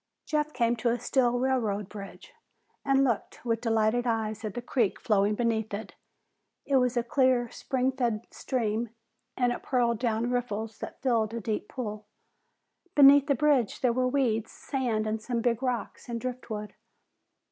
Jeff came to a steel railroad bridge and looked with delighted eyes at the creek flowing beneath it. It was a clear, spring fed stream, and it purled down riffles that filled a deep pool. Beneath the bridge there were weeds, sand, some big rocks, and driftwood.